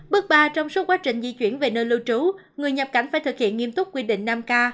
bước ba trong suốt quá trình di chuyển về nơi lưu trú người nhập cảnh phải thực hiện nghiêm túc quy định năm k